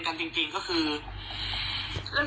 ดำเนินไปต่อไม่ได้จริง